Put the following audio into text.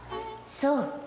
そう。